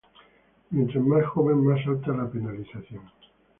mientras más joven, más alta la penalización.